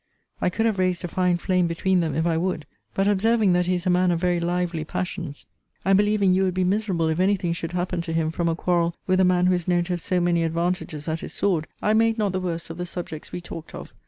I could have raised a fine flame between them if I would: but, observing that he is a man of very lively passions, and believing you would be miserable if any thing should happen to him from a quarrel with a man who is known to have so many advantages at his sword, I made not the worst of the subjects we talked of.